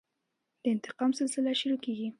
د انتقام سلسله شروع کېږي.